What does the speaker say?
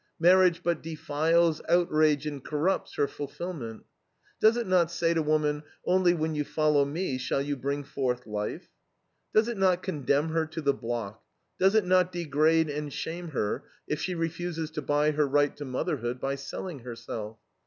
Marriage but defiles, outrages, and corrupts her fulfillment. Does it not say to woman, Only when you follow me shall you bring forth life? Does it not condemn her to the block, does it not degrade and shame her if she refuses to buy her right to motherhood by selling herself?